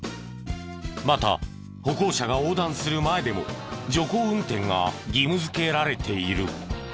また歩行者が横断する前でも徐行運転が義務付けられている。